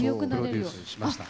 プロデュースしました。